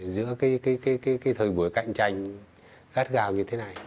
giữa cái thời buổi cạnh tranh khát gào như thế này